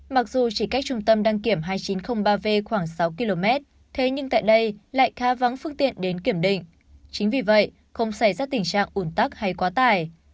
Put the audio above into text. mặc dù chỉ cách trung tâm đăng kiểm hai nghìn chín trăm linh ba v khoảng sáu km thế nhưng tại đây lại khá vắng phương tiện đến kiểm định chính vì vậy không xảy ra tình trạng ủn tắc hay quá tải